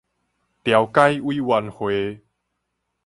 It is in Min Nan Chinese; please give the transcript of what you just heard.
調解委員會